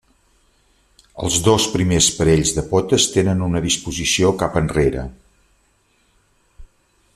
Els dos primers parells de potes tenen una disposició cap enrere.